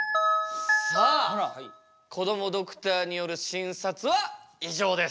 さあこどもドクターによる診察は以上です。